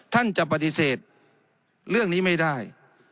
ท่านจะปฏิเสธเรื่องนี้ไม่ได้